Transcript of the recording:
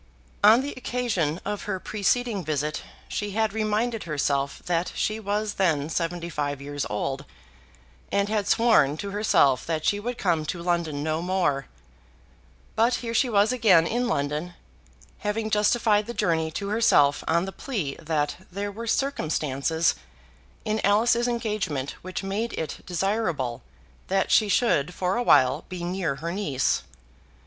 On the occasion of her preceding visit she had reminded herself that she was then seventy five years old, and had sworn to herself that she would come to London no more; but here she was again in London, having justified the journey to herself on the plea that there were circumstances in Alice's engagement which made it desirable that she should for a while be near her niece.